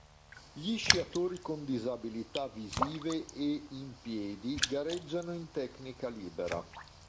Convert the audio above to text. Gli sciatori con disabilità visive e "in piedi" gareggiano in tecnica libera.